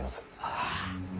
ああ。